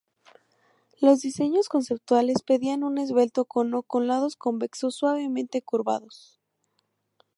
Los diseños conceptuales pedían un esbelto cono con lados convexos suavemente curvados.